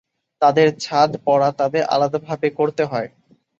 তাদের "ছাদ" পরা তাদের আলাদাভাবে করতে হবে।